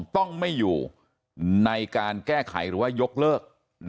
ต้องไม่อยู่ในการแก้ไขหรือว่ายกเลิก